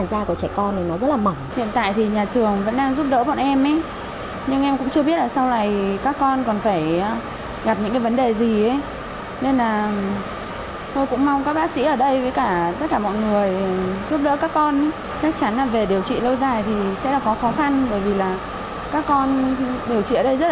chắc chắn là về điều trị lâu dài thì sẽ là khó khăn bởi vì là các con điều trị ở đây rất là lâu